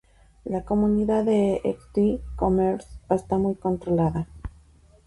La comunidad de xt:Commerce está muy controlada.